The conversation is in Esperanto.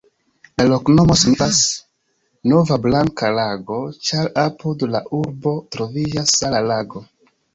La loknomo signifas: nova-blanka-lago, ĉar apud la urbo troviĝas sala lago.